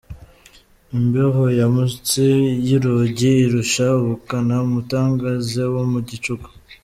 Imbeho yo munsi y’urugi irusha ubukana umutangaze wo mu gicuku.